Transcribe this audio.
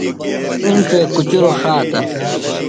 اِنڇے کُچروۡ ݜاتہ ۔